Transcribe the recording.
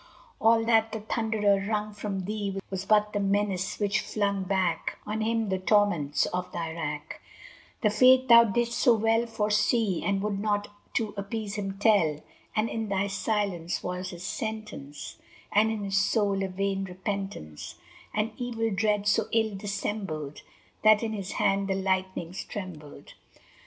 All that the Thunderer wrung from thee Was but the menace which flung back On him the torments of thy rack; The fate thou didst so well foresee, But would not to appease him tell; And in thy Silence was his Sentence, And in his Soul a vain repentance, And evil dread so ill dissembled That in his hand the lightnings trembled.